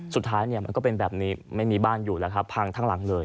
สุดท้ายเนี่ยมันก็เป็นแบบนี้ไม่มีบ้านอยู่แล้วครับพังทั้งหลังเลย